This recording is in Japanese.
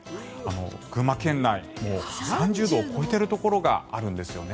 群馬県内、もう３０度を超えているところがあるんですね。